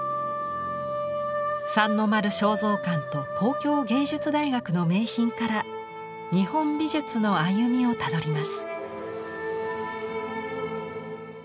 三の丸尚蔵館と東京藝術大学の名品から日本美術の歩みをたどります。